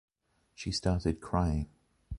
She started crying.